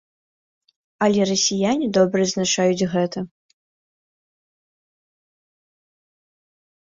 Але расіяне добра адзначаюць гэта.